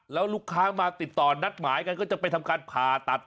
แล้วลูกค้ามาติดต่อนัดหมายกันก็จะไปทำการผ่าตัด